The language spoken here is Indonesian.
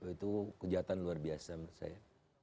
itu kejahatan luar biasa menurut saya